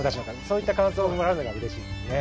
そういった感想をもらうのがうれしいですね。